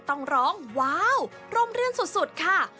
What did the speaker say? ต้องร้องว้าวร่มรื่นสุดค่ะ